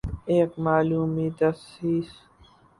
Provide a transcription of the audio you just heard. ایک معمولی تصحیح